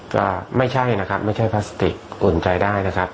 ก็ไม่ใช่นะครับไม่ใช่พลาสติกกลใช้ได้นะครับ